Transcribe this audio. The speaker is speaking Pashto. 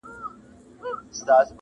ستونی ولي په نارو څیرې ناحقه٫